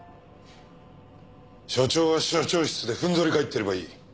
署長は署長室でふんぞり返っていればいい。